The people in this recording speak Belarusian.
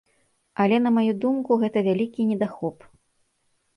Але на маю думку, гэта вялікі недахоп.